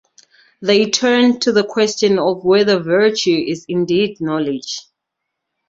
They turn to the question of whether virtue is indeed knowledge.